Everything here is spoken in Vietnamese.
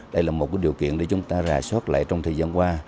đây là một điều kiện để chúng ta rà soát lại trong thời gian qua